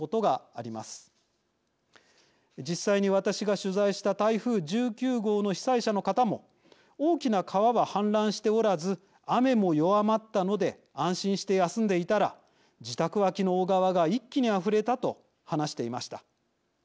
実際に私が取材した台風１９号の被災者の方も大きな川は氾濫しておらず雨も弱まったので安心して休んでいたら自宅脇の小川が一気にあふれたと話していました。